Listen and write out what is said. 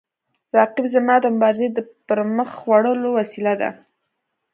رقیب زما د مبارزې د پرمخ وړلو وسیله ده